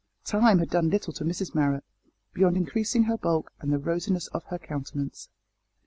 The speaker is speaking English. Time had done little to Mrs Marrot, beyond increasing her bulk and the rosiness of her countenance.